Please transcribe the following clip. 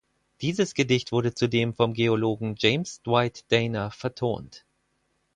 Dieses Gedicht wurde zudem vom Geologen James Dwight Dana vertont.